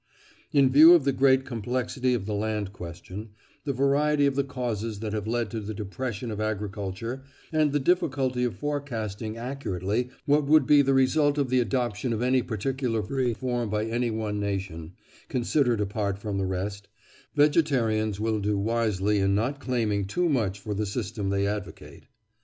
In view of the great complexity of the land question, the variety of the causes that have led to the depression of agriculture, and the difficulty of forecasting accurately what would be the result of the adoption of any particular reform by any one nation, considered apart from the rest, vegetarians will do wisely in not claiming too much for the system they advocate.